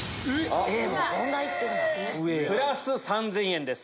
えっ⁉プラス３０００円です。